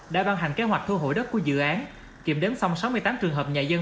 đã ban hành kế hoạch thu hồi đất của dự án kiểm đếm xong sáu mươi tám trường hợp nhà dân